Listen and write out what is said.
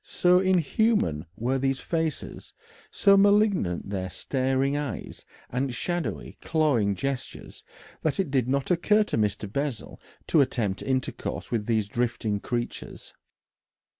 So inhuman were these faces, so malignant their staring eyes, and shadowy, clawing gestures, that it did not occur to Mr. Bessel to attempt intercourse with these drifting creatures.